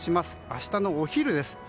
明日のお昼です。